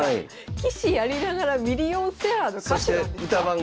棋士やりながらミリオンセラーの歌手なんですか？